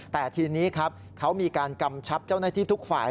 แต่ทีนี้ครับเขามีการกำชับเจ้าหน้าที่ทุกฝ่าย